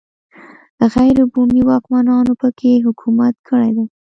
غیر بومي واکمنانو په کې حکومت کړی دی.